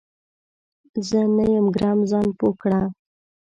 زه نه یم ګرم ، ځان پوه کړه !